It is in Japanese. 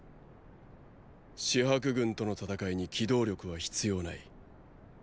紫伯軍との戦いに機動力は必要ない。